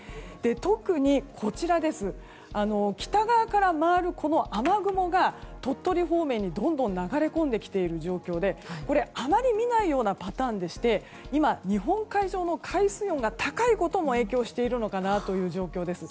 特に、北側から回る雨雲が鳥取方面にどんどん流れ込んでいる形でこれ、あまり見ないようなパターンでして今、日本海上の海水温が高いことも影響しているのかなという状況です。